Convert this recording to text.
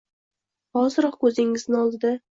Hoziroq, koʻzingizning oldida